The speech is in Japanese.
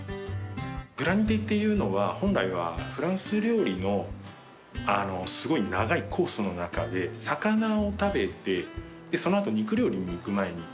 グラニテっていうのは本来はフランス料理のすごい長いコースの中で魚を食べてその後肉料理に行く前に口直し。